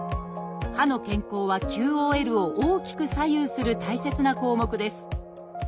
歯の健康はＱＯＬを大きく左右する大切な項目です。